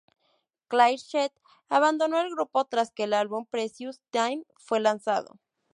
Clair Sheets abandono el grupo tras que el álbum "Precious Time" fue lanzado.